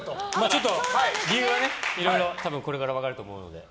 ちょっと理由はいろいろこのあと分かると思うので。